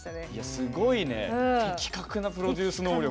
すごいね的確なプロデュース能力。